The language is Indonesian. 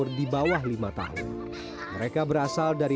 kaya masalah badan ini